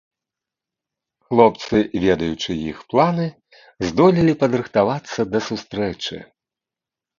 Хлопцы, ведаючы іх планы, здолелі падрыхтавацца да сустрэчы.